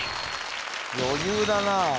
余裕だなあ